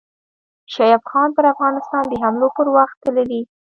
شعیب افغان پر افغانستان د حملو په وخت کې تللی.